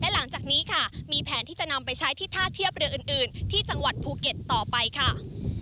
หลังจากนี้ค่ะมีแผนที่จะนำไปใช้ที่ท่าเทียบเรืออื่นที่จังหวัดภูเก็ตต่อไปค่ะ